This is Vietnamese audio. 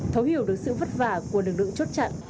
thấu hiểu được sự vất vả của lực lượng chốt chặn